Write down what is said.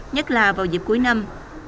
nhất là vào dịp cuối năm